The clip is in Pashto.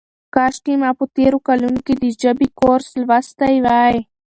کاشکې ما په تېرو کلونو کې د ژبې کورس لوستی وای.